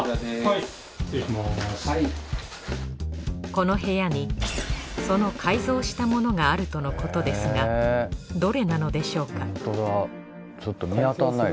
この部屋にその改造した物があるとのことですがどれなのでしょうか？